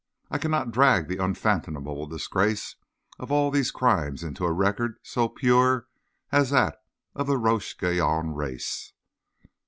I cannot drag the unfathomable disgrace of all these crimes into a record so pure as that of the Roche Guyon race.